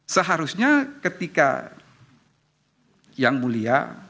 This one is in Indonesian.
seharusnya ketika yang mulia